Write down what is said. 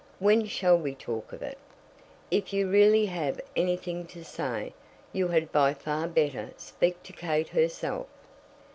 "When shall we talk of it?" "If you really have anything to say, you had by far better speak to Kate herself."